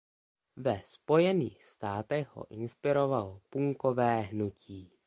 Ve Spojených státech ho inspirovalo punkové hnutí.